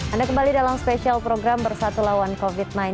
anda kembali dalam spesial program bersatu lawan covid sembilan belas